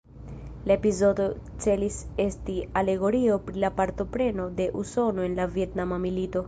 La epizodo celis esti alegorio pri la partopreno de Usono en la Vjetnama Milito.